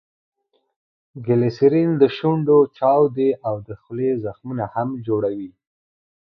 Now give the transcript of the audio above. ګلیسرین دشونډو چاودي او دخولې زخمونه هم جوړوي.